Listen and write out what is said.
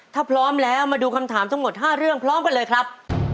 ถ้าพร้อมแล้วมาดูคำถามทั้งหมด๕เรื่องพร้อมกันเลยครับ